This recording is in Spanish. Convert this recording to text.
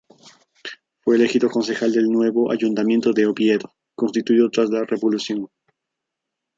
Fue elegido concejal del nuevo Ayuntamiento de Oviedo, constituido tras la Revolución.